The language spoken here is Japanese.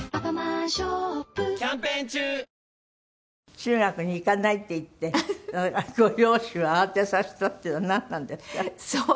「中学に行かない」って言ってご両親を慌てさせたっていうのはなんなんですか？